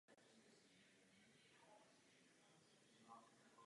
To je zvrácený svět.